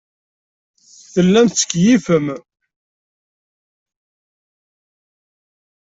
Tellam tettkeyyifem.